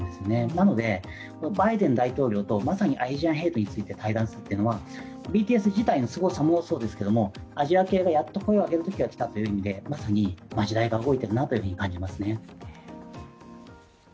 なので、バイデン大統領とまさにアジアンヘイトについて話し合うことについてはＢＴＳもそうですしアジア系がやっと声を上げるときが来たという意味でまさに時代が動いているなと感じますね。